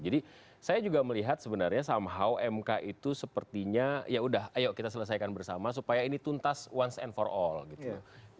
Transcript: jadi saya juga melihat sebenarnya somehow mk itu sepertinya ya udah ayo kita selesaikan bersama supaya ini tuntas once and for all gitu